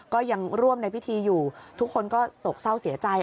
ก็ยังร่วมในพิธีอยู่ทุกคนก็โศกเศร้าเสียใจ